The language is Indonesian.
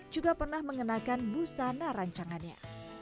juga pernah mengenakan busana rancangannya